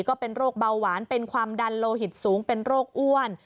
ก็เป็นโรคเบาหวานเป็นความดันโลหิตสูงเป็นโรคอ้วน